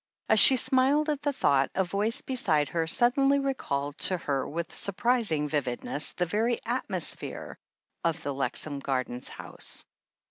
As she smiled at the thought, a voice beside her suddenly recalled to her with surprising vividness the very atmosphere of the Lexham Gardens house.